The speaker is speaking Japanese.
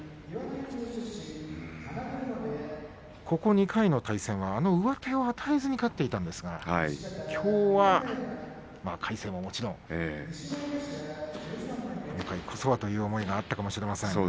ここ２回の対戦は上手を与えずに勝っていたんですがきょうは魁聖にも、もちろん今回こそはという思いがあったのかもしれません。